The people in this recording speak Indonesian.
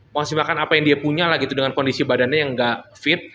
masih makan apa yang dia punya lah gitu dengan kondisi badannya yang gak fit